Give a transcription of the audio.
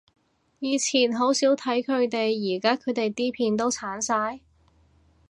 以前好少睇佢哋，而家佢哋啲片都剷晒？